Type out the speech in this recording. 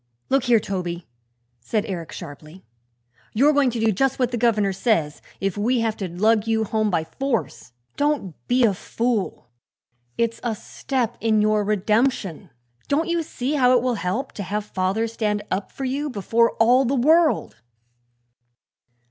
"Look here, Toby," said Eric sharply, "you're going to do just what the governor says, if we have to lug you home by force. Don't be a fool; it's a step in your redemption. Don't you see how it will help, to have father stand up for you before all the world!"